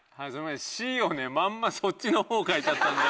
Ｃをねまんまそっちの方書いちゃった。